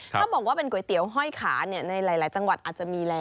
ถ้าบอกว่าเป็นก๋วยเตี๋ยวห้อยขาในหลายจังหวัดอาจจะมีแล้ว